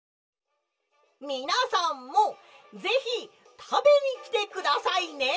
「みなさんもぜひたべにきてくださいね」。